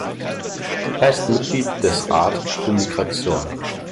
Er ist Mitglied des Rat für Migration.